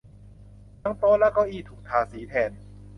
ทั้งโต๊ะและเก้าอี้ถูกทาสีแทน